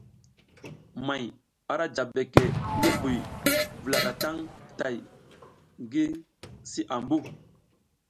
May ara ja beke ngi buy wulaka tang tay ngi si ambu.